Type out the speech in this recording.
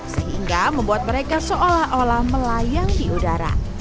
sehingga membuat mereka seolah olah melayang di udara